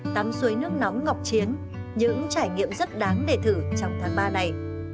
tắm suối nước nóng ngọc chiến những trải nghiệm rất đáng để thử trong tháng ba này